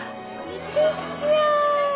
ちっちゃい！